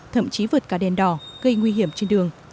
thậm chí vượt cả đèn đỏ gây nguy hiểm trên đường